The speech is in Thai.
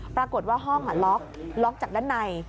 ปรากฏว่าห้องล็อกล็อกจากด้านใน